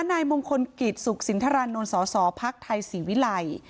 นายมงคลกิจสุขสินทรรณนศภักดิ์ไทยสิวิไล